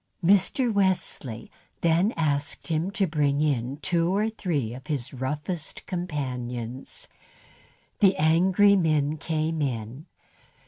Mr. Wesley then asked him to bring in two or three of his roughest companions. The angry men came in.